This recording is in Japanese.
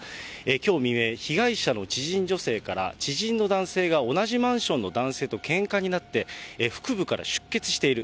きょう未明、被害者の知人女性から、知人の男性が同じマンションの男性とけんかになって、腹部から出血している。